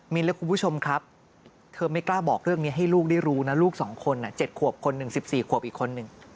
มีนและคุณผู้ชมครับเธอไม่กล้าบอกเรื่องนี้ให้ลูกได้รู้นะลูก๒คน๗ขวบคนหนึ่ง๑๔ขวบอีกคนหนึ่ง